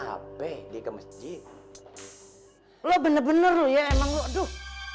hp di ke masjid lu bener bener ya emang lu aduh